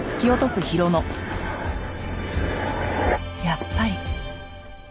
やっぱり。